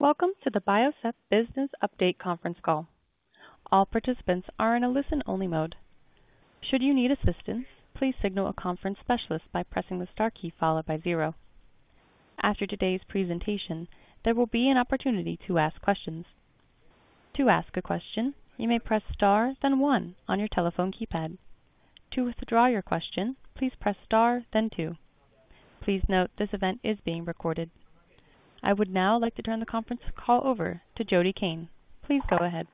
Welcome to the Biocept Business Update Conference Call. All participants are in a listen-only mode. Should you need assistance, please signal a conference specialist by pressing the star key followed by zero. After today's presentation, there will be an opportunity to ask questions. To ask a question, you may press star, then one on your telephone keypad. To withdraw your question, please press star, then two. Please note, this event is being recorded. I would now like to turn the conference call over to Jody Cain. Please go ahead.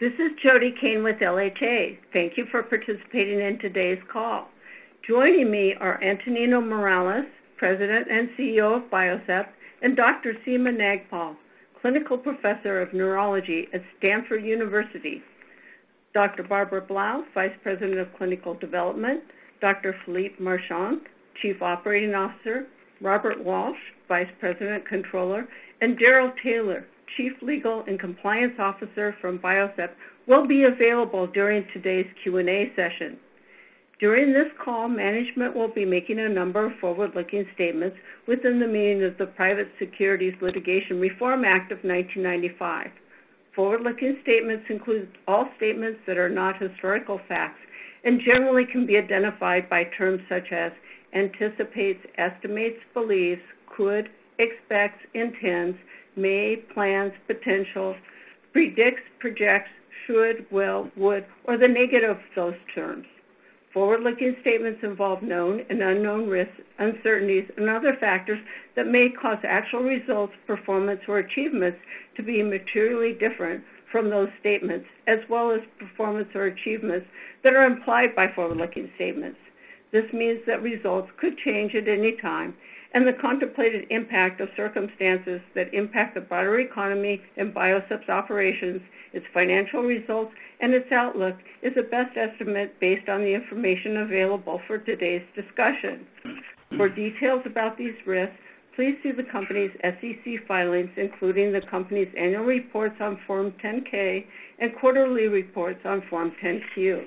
This is Jody Cain with LHA. Thank you for participating in today's call. Joining me are Antonino Morales, President and CEO of Biocept, and Dr. Seema Nagpal, Clinical Professor of Neurology at Stanford University. Dr. Barbara Blouw, Vice President of Clinical Development, Dr. Philippe Marchand, Chief Operating Officer, Robert Walsh, Vice President, Controller, and Darrell Taylor, Chief Legal and Compliance Officer from Biocept, will be available during today's Q&A session. During this call, management will be making a number of forward-looking statements within the meaning of the Private Securities Litigation Reform Act of 1995. Forward-looking statements include all statements that are not historical facts and generally can be identified by terms such as anticipates, estimates, believes, could, expects, intends, may, plans, potential, predicts, projects, should, will, would, or the negative of those terms. Forward-looking statements involve known and unknown risks, uncertainties, and other factors that may cause actual results, performance or achievements to be materially different from those statements, as well as performance or achievements that are implied by forward-looking statements. This means that results could change at any time and the contemplated impact of circumstances that impact the broader economy and Biocept's operations, its financial results and its outlook is a best estimate based on the information available for today's discussion. For details about these risks, please see the company's SEC filings, including the company's annual reports on Form 10-K and quarterly reports on Form 10-Q.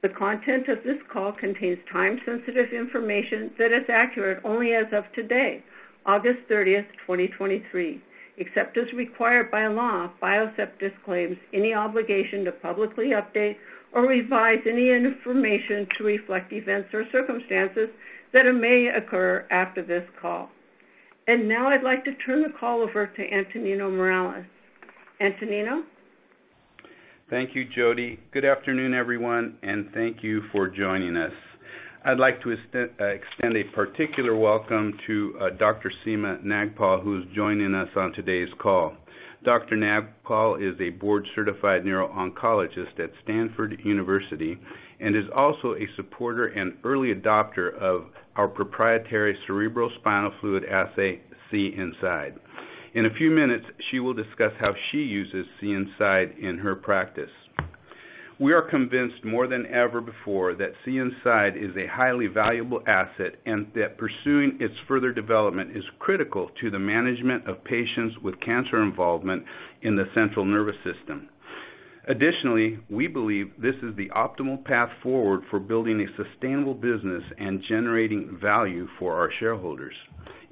The content of this call contains time-sensitive information that is accurate only as of today, August 30th, 2023. Except as required by law, Biocept disclaims any obligation to publicly update or revise any information to reflect events or circumstances that may occur after this call. Now I'd like to turn the call over to Antonino Morales. Antonino? Thank you, Jody. Good afternoon, everyone, and thank you for joining us. I'd like to extend a particular welcome to Dr. Seema Nagpal, who is joining us on today's call. Dr. Nagpal is a board-certified neuro-oncologist at Stanford University and is also a supporter and early adopter of our proprietary cerebrospinal fluid assay, CNSide. In a few minutes, she will discuss how she uses CNSide in her practice. We are convinced more than ever before that CNSide is a highly valuable asset and that pursuing its further development is critical to the management of patients with cancer involvement in the central nervous system. Additionally, we believe this is the optimal path forward for building a sustainable business and generating value for our shareholders.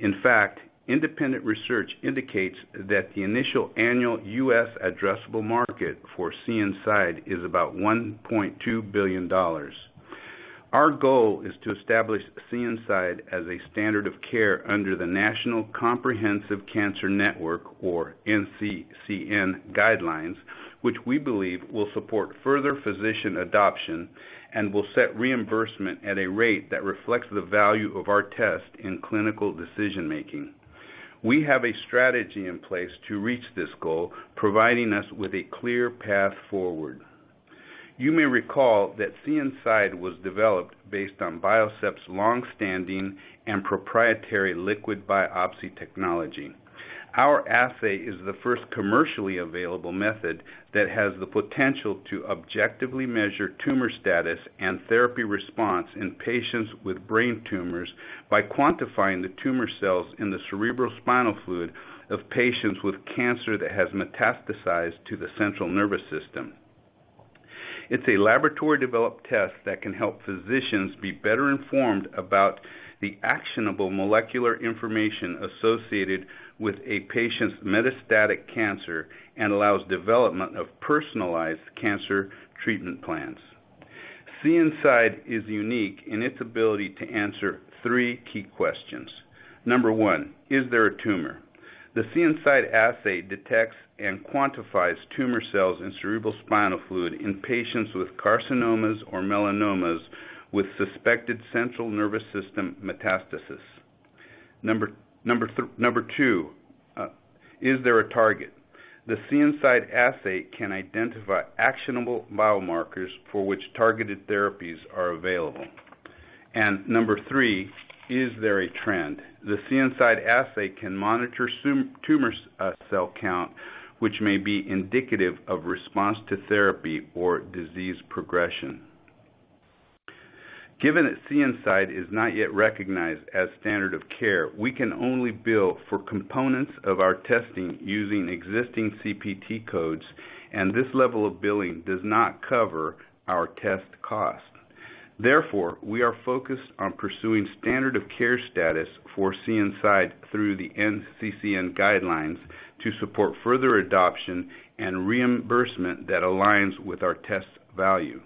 In fact, independent research indicates that the initial annual U.S. addressable market for CNSide is about $1.2 billion. Our goal is to establish CNSide as a standard of care under the National Comprehensive Cancer Network, or NCCN, guidelines, which we believe will support further physician adoption and will set reimbursement at a rate that reflects the value of our test in clinical decision-making. We have a strategy in place to reach this goal, providing us with a clear path forward. You may recall that CNSide was developed based on Biocept's longstanding and proprietary liquid biopsy technology. Our assay is the first commercially available method that has the potential to objectively measure tumor status and therapy response in patients with brain tumors by quantifying the tumor cells in the cerebrospinal fluid of patients with cancer that has metastasized to the central nervous system. It's a laboratory-developed test that can help physicians be better informed about the actionable molecular information associated with a patient's metastatic cancer and allows development of personalized cancer treatment plans. CNSide is unique in its ability to answer three key questions. Number one: Is there a tumor? The CNSide assay detects and quantifies tumor cells in cerebrospinal fluid in patients with carcinomas or melanomas with suspected central nervous system metastasis. Number two: Is there a target? The CNSide assay can identify actionable biomarkers for which targeted therapies are available. And number three: Is there a trend? The CNSide assay can monitor tumor cell count, which may be indicative of response to therapy or disease progression. Given that CNSide is not yet recognized as standard of care, we can only bill for components of our testing using existing CPT codes, and this level of billing does not cover our test costs. Therefore, we are focused on pursuing standard of care status for CNSide through the NCCN guidelines to support further adoption and reimbursement that aligns with our test value.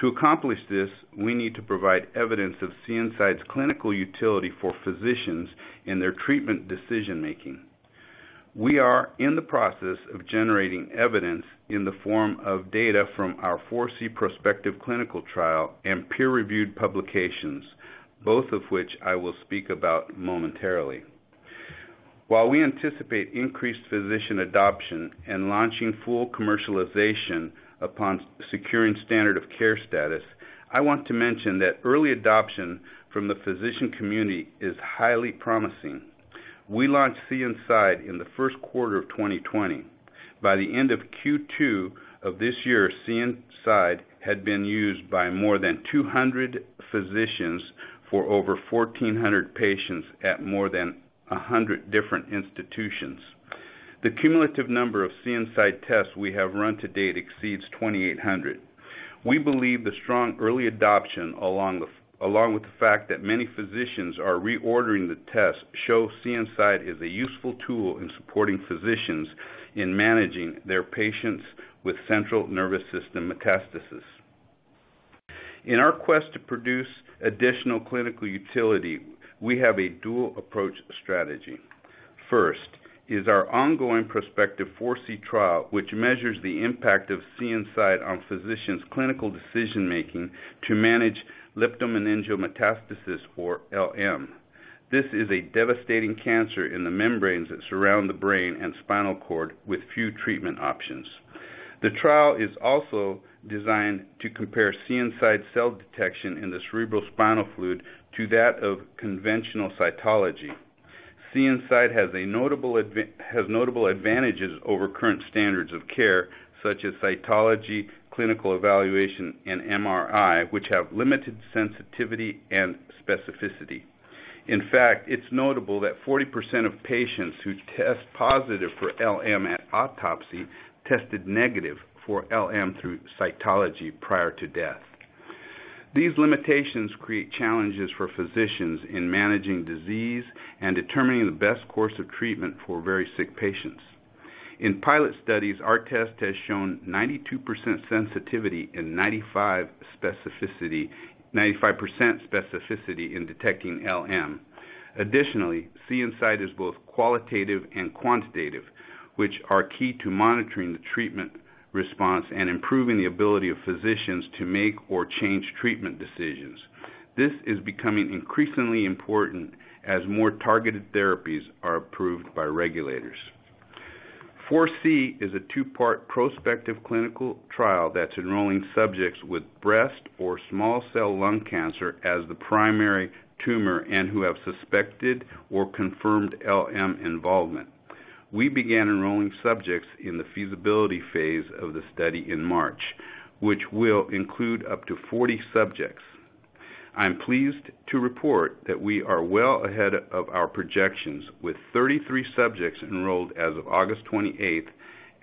To accomplish this, we need to provide evidence of CNSide's clinical utility for physicians in their treatment decision-making. We are in the process of generating evidence in the form of data from our FORESEE prospective clinical trial and peer-reviewed publications, both of which I will speak about momentarily. While we anticipate increased physician adoption and launching full commercialization upon securing standard of care status, I want to mention that early adoption from the physician community is highly promising. We launched CNSide in the first quarter of 2020. By the end of Q2 of this year, CNSide had been used by more than 200 physicians for over 1,400 patients at more than 100 different institutions. The cumulative number of CNSide tests we have run to date exceeds 2,800. We believe the strong early adoption, along with the fact that many physicians are reordering the test, shows CNSide is a useful tool in supporting physicians in managing their patients with central nervous system metastasis. In our quest to produce additional clinical utility, we have a dual approach strategy. First, is our ongoing prospective FORESEE trial, which measures the impact of CNSide on physicians' clinical decision-making to manage leptomeningeal metastasis, or LM. This is a devastating cancer in the membranes that surround the brain and spinal cord, with few treatment options. The trial is also designed to compare CNSide cell detection in the cerebrospinal fluid to that of conventional cytology. CNSide has notable advantages over current standards of care, such as cytology, clinical evaluation, and MRI, which have limited sensitivity and specificity. In fact, it's notable that 40% of patients who test positive for LM at autopsy tested negative for LM through cytology prior to death. These limitations create challenges for physicians in managing disease and determining the best course of treatment for very sick patients. In pilot studies, our test has shown 92% sensitivity and 95% specificity, 95% specificity in detecting LM. Additionally, CNSide is both qualitative and quantitative, which are key to monitoring the treatment response and improving the ability of physicians to make or change treatment decisions. This is becoming increasingly important as more targeted therapies are approved by regulators. FORESEE is a two-part prospective clinical trial that's enrolling subjects with breast or non-small cell lung cancer as the primary tumor, and who have suspected or confirmed LM involvement. We began enrolling subjects in the feasibility phase of the study in March, which will include up to 40 subjects. I'm pleased to report that we are well ahead of our projections, with 33 subjects enrolled as of August 28th,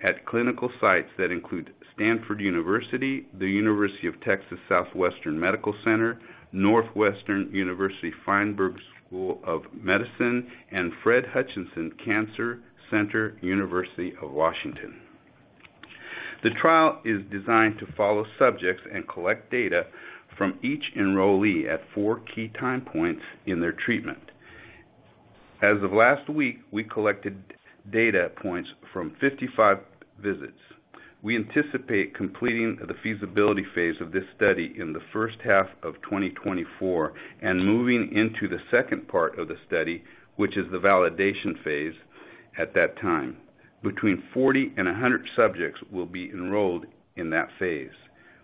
at clinical sites that include Stanford University, the University of Texas Southwestern Medical Center, Northwestern University Feinberg School of Medicine, and Fred Hutchinson Cancer Center, University of Washington. The trial is designed to follow subjects and collect data from each enrollee at four key time points in their treatment. As of last week, we collected data points from 55 visits. We anticipate completing the feasibility phase of this study in the first half of 2024, and moving into the second part of the study, which is the validation phase, at that time. Between 40 and 100 subjects will be enrolled in that phase.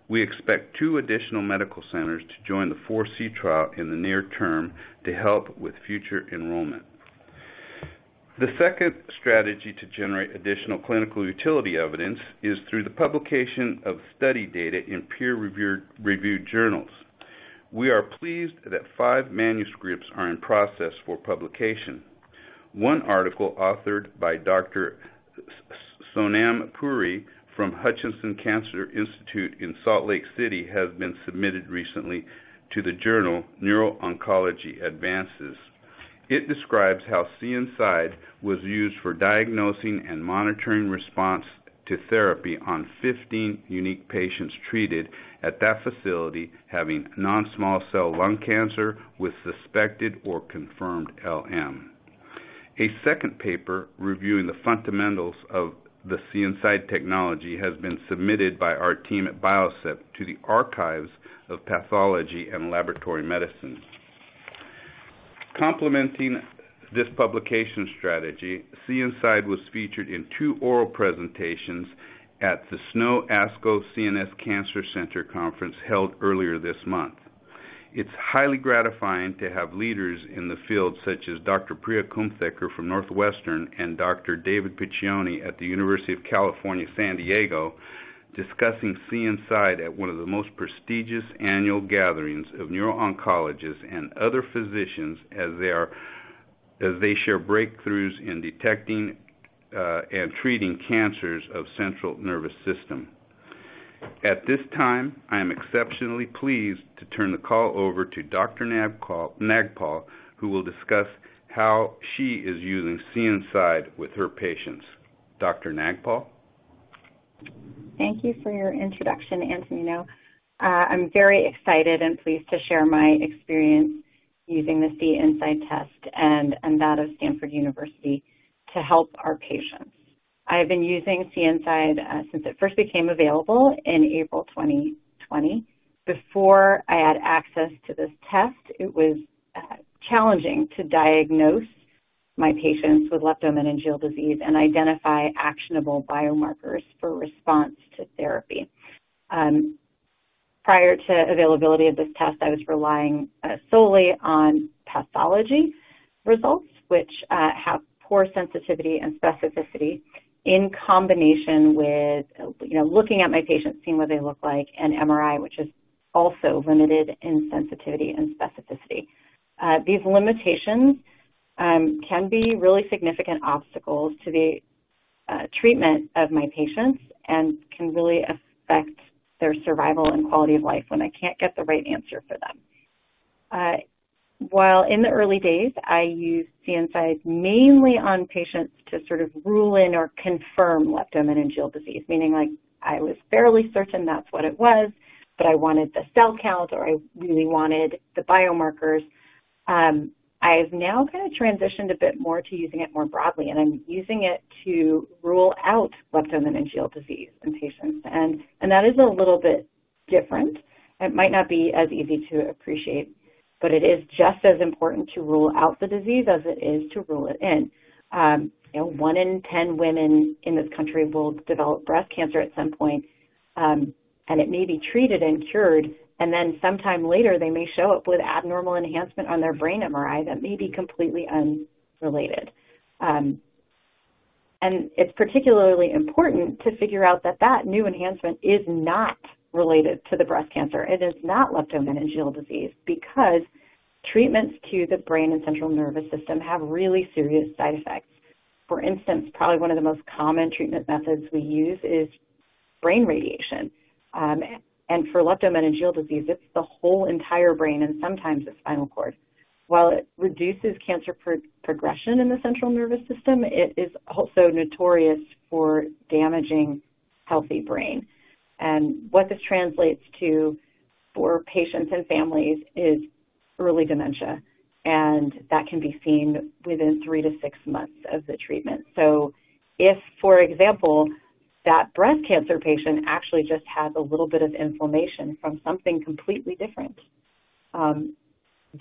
We expect two additional medical centers to join the FORESEE trial in the near term to help with future enrollment. The second strategy to generate additional clinical utility evidence is through the publication of study data in peer-reviewed journals. We are pleased that five manuscripts are in process for publication. One article, authored by Dr. Sonam Puri from Huntsman Cancer Institute in Salt Lake City, has been submitted recently to the journal Neuro-Oncology Advances. It describes how CNSide was used for diagnosing and monitoring response to therapy on 15 unique patients treated at that facility, having non-small cell lung cancer with suspected or confirmed LM. A second paper reviewing the fundamentals of the CNSide technology has been submitted by our team at Biocept to the Archives of Pathology & Laboratory Medicine. Complementing this publication strategy, CNSide was featured in two oral presentations at the SNO/ASCO CNS Cancer Conference held earlier this month. It's highly gratifying to have leaders in the field, such as Dr. Priya Kumthekar from Northwestern and Dr. David Piccioni at the University of California, San Diego, discussing CNSide at one of the most prestigious annual gatherings of neuro-oncologists and other physicians, as they share breakthroughs in detecting and treating cancers of central nervous system. At this time, I am exceptionally pleased to turn the call over to Dr. Nagpal, who will discuss how she is using CNSide with her patients. Dr. Nagpal? Thank you for your introduction, Antonino. I'm very excited and pleased to share my experience using the CNSide test and, and that of Stanford University to help our patients. I have been using CNSide since it first became available in April 2020. Before I had access to this test, it was challenging to diagnose my patients with leptomeningeal disease and identify actionable biomarkers for response to therapy. Prior to availability of this test, I was relying solely on pathology results, which have poor sensitivity and specificity in combination with you know, looking at my patients, seeing what they look like, and MRI, which is also limited in sensitivity and specificity. These limitations can be really significant obstacles to the treatment of my patients and can really affect their survival and quality of life when I can't get the right answer for them. While in the early days, I used CNSide mainly on patients to sort of rule in or confirm leptomeningeal disease, meaning like I was fairly certain that's what it was, but I wanted the cell count or I really wanted the biomarkers. I've now kinda transitioned a bit more to using it more broadly, and I'm using it to rule out leptomeningeal disease in patients. And that is a little bit different. It might not be as easy to appreciate, but it is just as important to rule out the disease as it is to rule it in. You know, one in 10 women in this country will develop breast cancer at some point, and it may be treated and cured, and then sometime later, they may show up with abnormal enhancement on their brain MRI that may be completely unrelated. And it's particularly important to figure out that that new enhancement is not related to the breast cancer. It is not leptomeningeal disease, because treatments to the brain and central nervous system have really serious side effects. For instance, probably one of the most common treatment methods we use is brain radiation. And for leptomeningeal disease, it's the whole entire brain and sometimes the spinal cord. While it reduces cancer progression in the central nervous system, it is also notorious for damaging healthy brain. What this translates to for patients and families is early dementia, and that can be seen within three to six months of the treatment. So if, for example, that breast cancer patient actually just has a little bit of inflammation from something completely different,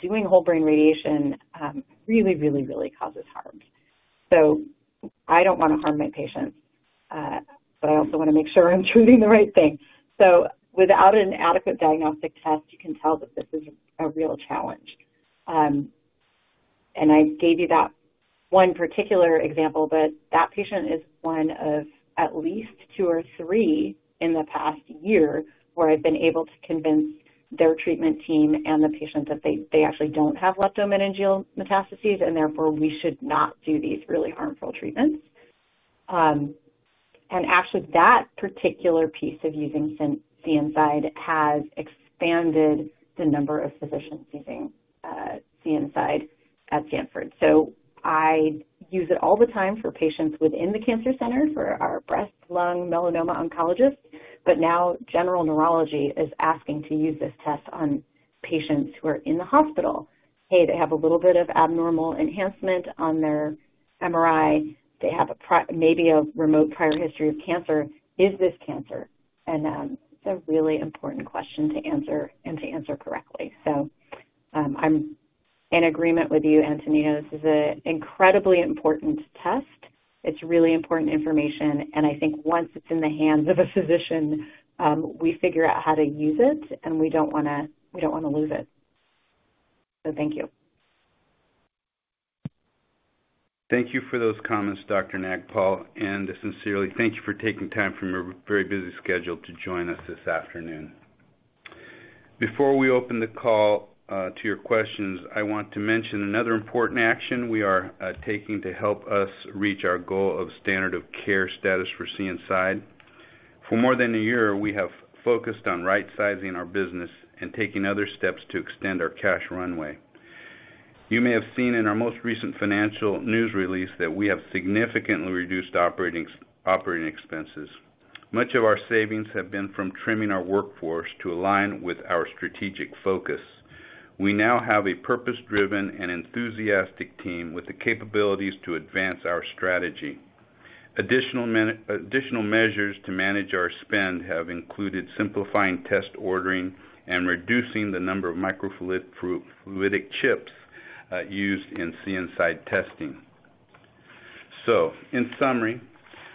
doing whole-brain radiation really, really, really causes harm. So I don't wanna harm my patients, but I also wanna make sure I'm treating the right thing. So without an adequate diagnostic test, you can tell that this is a real challenge. And I gave you that one particular example, but that patient is one of at least two or three in the past year where I've been able to convince their treatment team and the patient that they actually don't have leptomeningeal metastases, and therefore, we should not do these really harmful treatments. And actually, that particular piece of using CNSide has expanded the number of physicians using CNSide at Stanford. So I use it all the time for patients within the cancer center for our breast, lung, melanoma oncologist, but now general neurology is asking to use this test on patients who are in the hospital. Hey, they have a little bit of abnormal enhancement on their MRI. They have maybe a remote prior history of cancer. Is this cancer? And it's a really important question to answer and to answer correctly. So I'm in agreement with you, Antonino. This is a incredibly important test. It's really important information, and I think once it's in the hands of a physician, we figure out how to use it, and we don't wanna, we don't wanna lose it. So thank you. Thank you for those comments, Dr. Nagpal, and sincerely thank you for taking time from your very busy schedule to join us this afternoon. Before we open the call to your questions, I want to mention another important action we are taking to help us reach our goal of standard of care status for CNSide. For more than a year, we have focused on right-sizing our business and taking other steps to extend our cash runway. You may have seen in our most recent financial news release that we have significantly reduced operating expenses. Much of our savings have been from trimming our workforce to align with our strategic focus. We now have a purpose-driven and enthusiastic team with the capabilities to advance our strategy. Additional man, additional measures to manage our spend have included simplifying test ordering and reducing the number of microfluidic chips used in CNSide testing. So in summary,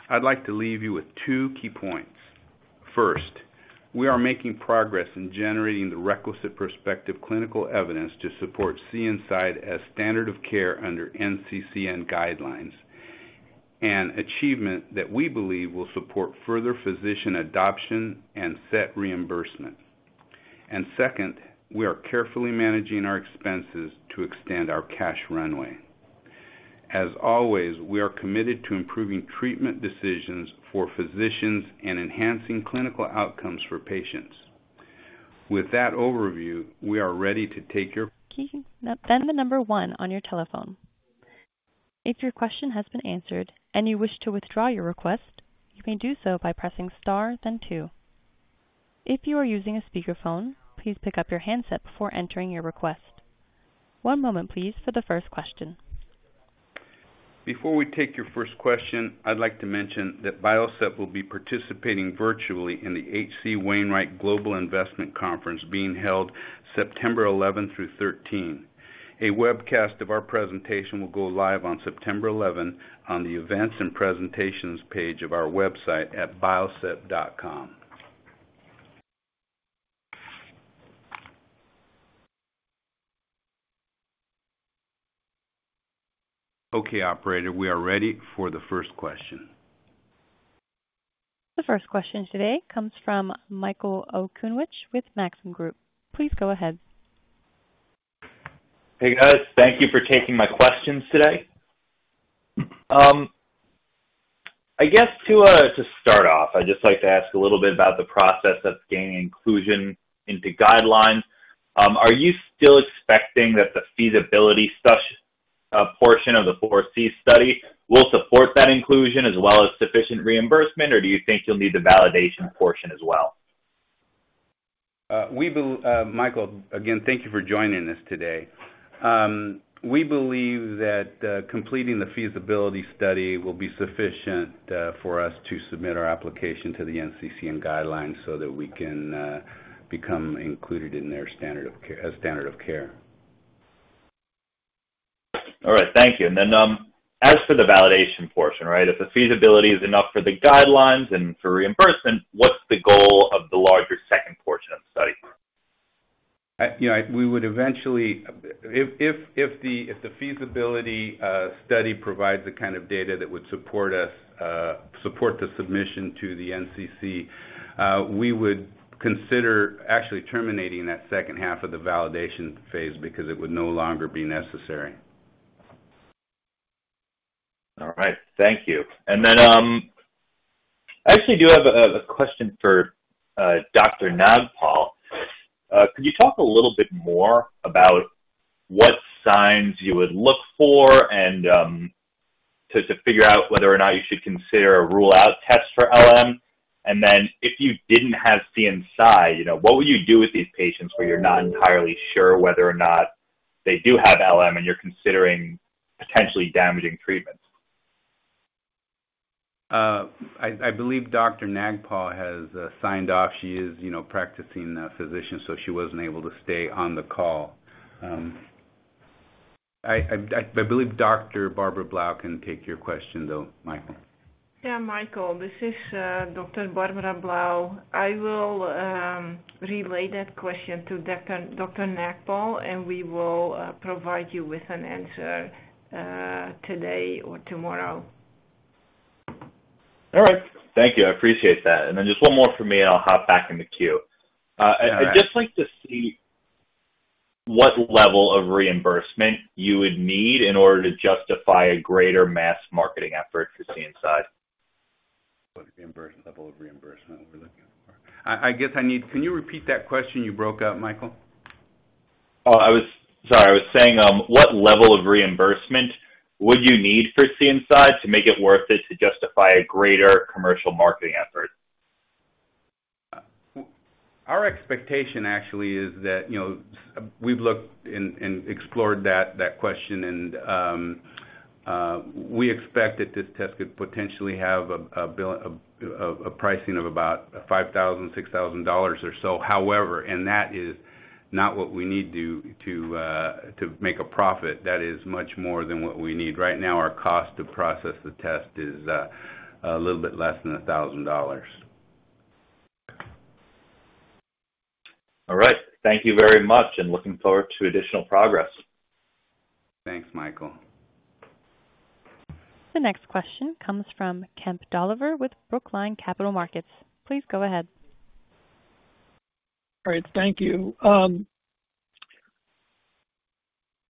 I'd like to leave you with two key points. First, we are making progress in generating the requisite prospective clinical evidence to support CNSide as standard of care under NCCN guidelines, an achievement that we believe will support further physician adoption and set reimbursement. And second, we are carefully managing our expenses to extend our cash runway. As always, we are committed to improving treatment decisions for physicians and enhancing clinical outcomes for patients. With that overview, we are ready to take your questions. Key, then the number one on your telephone. If your question has been answered and you wish to withdraw your request, you may do so by pressing star, then two. If you are using a speakerphone, please pick up your handset before entering your request. One moment, please, for the first question. Before we take your first question, I'd like to mention that Biocept will be participating virtually in the H.C. Wainwright Global Investment Conference being held September 11th through 13th. A webcast of our presentation will go live on September 11th on the Events and Presentations page of our website at biocept.com. Okay, operator, we are ready for the first question. The first question today comes from Michael Okunewitch with Maxim Group. Please go ahead. Hey, guys. Thank you for taking my questions today. I guess to start off, I'd just like to ask a little bit about the process of gaining inclusion into guidelines. Are you still expecting that the feasibility portion of the FORESEE study will support that inclusion as well as sufficient reimbursement, or do you think you'll need the validation portion as well? Michael, again, thank you for joining us today. We believe that completing the feasibility study will be sufficient for us to submit our application to the NCCN guidelines so that we can become included in their standard of care, as standard of care. All right, thank you. And then, as for the validation portion, right, if the feasibility is enough for the guidelines and for reimbursement, what's the goal of the larger second portion of the study? You know, we would eventually, if the feasibility study provides the kind of data that would support us support the submission to the NCCN, we would consider actually terminating that second half of the validation phase because it would no longer be necessary. All right, thank you. And then, I actually do have a question for Dr. Nagpal. Could you talk a little bit more about what signs you would look for and to figure out whether or not you should consider a rule out test for LM? And then if you didn't have CNSide, you know, what would you do with these patients where you're not entirely sure whether or not they do have LM and you're considering potentially damaging treatments? I believe Dr. Nagpal has signed off. She is, you know, a practicing physician, so she wasn't able to stay on the call. I believe Dr. Barbara Blouw can take your question, though, Michael. Yeah, Michael, this is Dr. Barbara Blouw. I will relay that question to Dr. Nagpal, and we will provide you with an answer today or tomorrow. All right. Thank you. I appreciate that. And then just one more for me, and I'll hop back in the queue. All right. I'd just like to see what level of reimbursement you would need in order to justify a greater mass marketing effort for CNSide. What reimbursement, level of reimbursement we're looking for? I guess I need, can you repeat that question? You broke up, Michael. Oh, sorry. I was saying, what level of reimbursement would you need for CNSide to make it worth it to justify a greater commercial marketing effort? Our expectation actually is that, you know, we've looked and explored that question and we expect that this test could potentially have a pricing of about $5,000-$6,000 or so. However, and that is not what we need to make a profit. That is much more than what we need. Right now, our cost to process the test is a little bit less than $1,000. All right. Thank you very much, and looking forward to additional progress. Thanks, Michael. The next question comes from Kemp Dolliver with Brookline Capital Markets. Please go ahead. All right, thank you.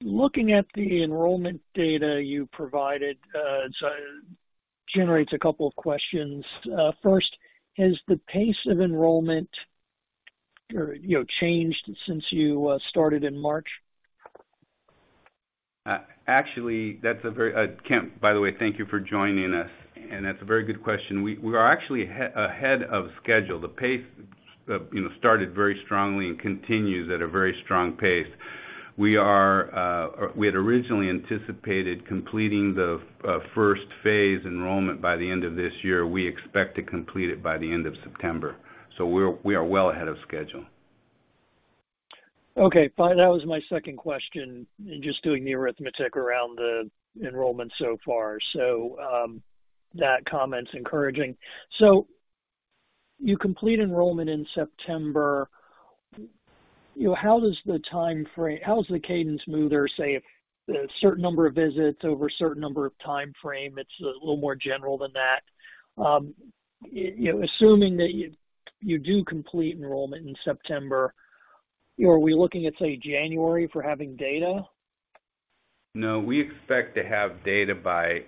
Looking at the enrollment data you provided, so generates a couple of questions. First, has the pace of enrollment, you know, changed since you started in March? Actually, that's a very, Kemp, by the way, thank you for joining us, and that's a very good question. We are actually ahead of schedule. The pace, you know, started very strongly and continues at a very strong pace. We had originally anticipated completing the first phase enrollment by the end of this year. We expect to complete it by the end of September. So we're well ahead of schedule. Okay, fine. That was my second question, and just doing the arithmetic around the enrollment so far. So, that comment's encouraging. So you complete enrollment in September. You know, how does the timeframe, how does the cadence move there? Say, if a certain number of visits over a certain number of time frame, it's a little more general than that. You know, assuming that you do complete enrollment in September, are we looking at, say, January for having data? No, we expect to have data by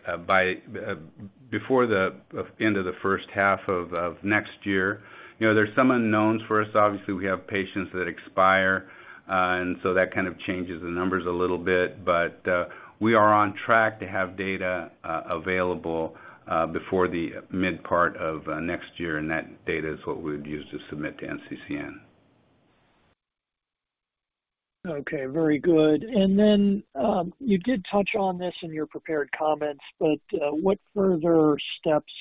before the end of the first half of next year. You know, there's some unknowns for us. Obviously, we have patients that expire, and so that kind of changes the numbers a little bit. But, we are on track to have data available before the mid part of next year, and that data is what we would use to submit to NCCN. Okay, very good. And then, you did touch on this in your prepared comments, but what further steps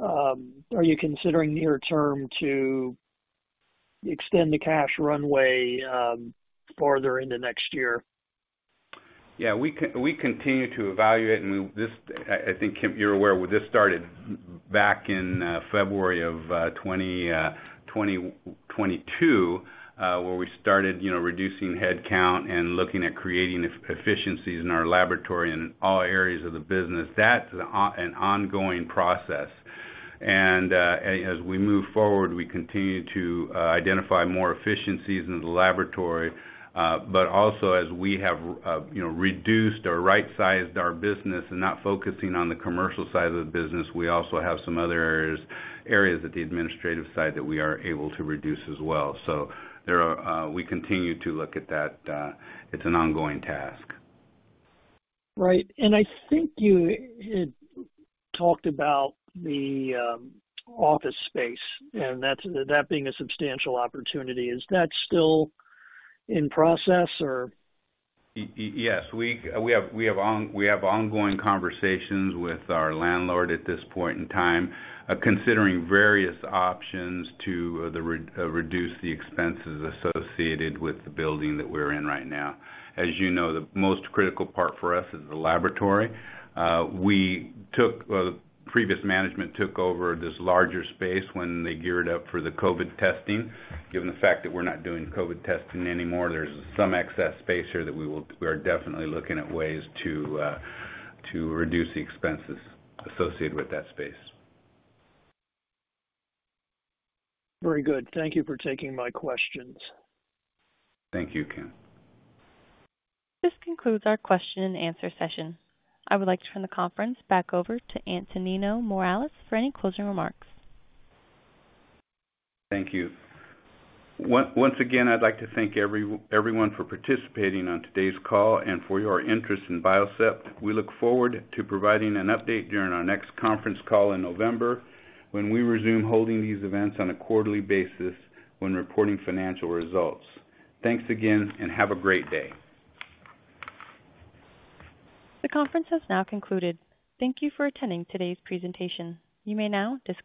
are you considering near term to extend the cash runway farther into next year? Yeah, we continue to evaluate, and this, I think, Kemp, you're aware, well, this started back in February of 2022, where we started, you know, reducing headcount and looking at creating efficiencies in our laboratory and all areas of the business. That's an ongoing process. And, as we move forward, we continue to identify more efficiencies in the laboratory. But also as we have, you know, reduced or right-sized our business and not focusing on the commercial side of the business, we also have some other areas at the administrative side that we are able to reduce as well. So there are, we continue to look at that. It's an ongoing task. Right. And I think you had talked about the, office space, and that's, that being a substantial opportunity. Is that still in process or? Yes, we have ongoing conversations with our landlord at this point in time, considering various options to reduce the expenses associated with the building that we're in right now. As you know, the most critical part for us is the laboratory. Previous management took over this larger space when they geared up for the COVID testing. Given the fact that we're not doing COVID testing anymore, there's some excess space here that we are definitely looking at ways to reduce the expenses associated with that space. Very good. Thank you for taking my questions. Thank you, Kemp. This concludes our question and answer session. I would like to turn the conference back over to Antonino Morales for any closing remarks. Thank you. Once again, I'd like to thank everyone for participating on today's call and for your interest in Biocept. We look forward to providing an update during our next conference call in November, when we resume holding these events on a quarterly basis when reporting financial results. Thanks again, and have a great day. The conference has now concluded. Thank you for attending today's presentation. You may now disconnect.